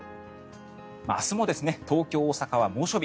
明日も東京、大阪は猛暑日。